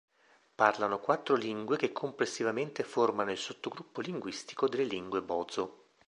Parlano quattro lingue che complessivamente formano il sottogruppo linguistico della lingue bozo.